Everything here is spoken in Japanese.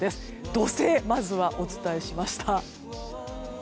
土星、まずはお伝えしました。